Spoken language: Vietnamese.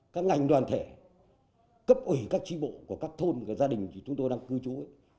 các ngành đoàn thể cấp ủy các trí bộ của các thôn các gia đình chúng tôi đang cư trú